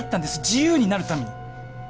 自由になるために。